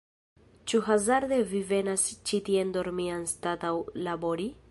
Ĉu hazarde Vi venas ĉi tien dormi anstataŭ labori?